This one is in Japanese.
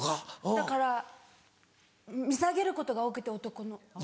だから見下げることが多くて男の子を。